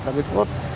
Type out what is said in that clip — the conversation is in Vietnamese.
là cái chốt